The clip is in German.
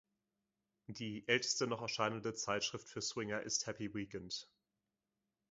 Die älteste noch erscheinende Zeitschrift für Swinger ist Happy Weekend.